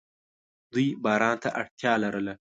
دوی باران ته اړتیا لرله.